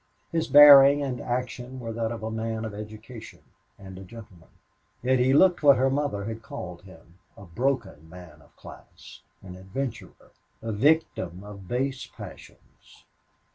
His bearing and action were that of a man of education, and a gentleman. Yet he looked what her mother had called him a broken man of class, an adventurer, a victim of base passions.